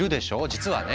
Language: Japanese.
実はね